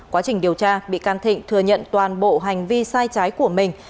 quá trình điều tra bị can thịnh thừa nhận toàn bộ hành vi sai trái của mình